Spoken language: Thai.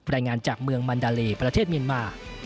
รายงานจากเมืองมันดาเลประเทศเมียนมา